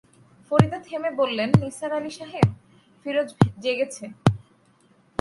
ফরিদা থেমে বললেন, নিসার আলি সাহেব, ফিরোজ জেগেছে।